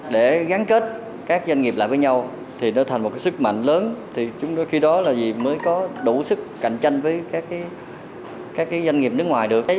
để gắn kết các doanh nghiệp lại với nhau thì nó thành một sức mạnh lớn thì chúng đôi khi đó là gì mới có đủ sức cạnh tranh với các doanh nghiệp nước ngoài được